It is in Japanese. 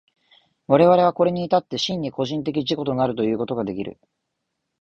我々はこれに至って真に個人的自己となるということができる。